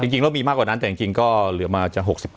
จริงแล้วมีมากกว่านั้นแต่จริงก็เหลือมาจะ๖๘